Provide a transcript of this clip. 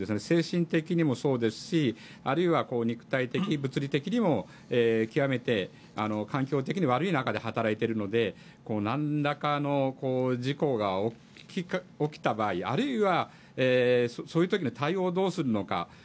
精神的にもそうですしあるいは肉体的、物理的にも極めて環境的に悪い中で働いているので何らかの事故が起きた場合あるいは、そういう時の対応をどうするのか。